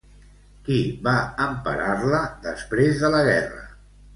Qui va emparar-la després de la Guerra?